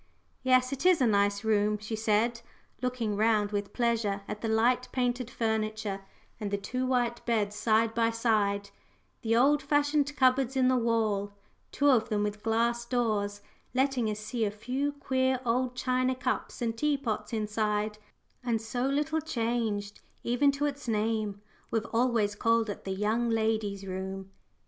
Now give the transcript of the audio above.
"Yes, it is a nice room," she said, looking round with pleasure at the light painted furniture and the two white beds side by side, the old fashioned cupboards in the wall, two of them with glass doors, letting us see a few queer old china cups and teapots inside; "and so little changed, even to its name. We've always called it the young ladies' room."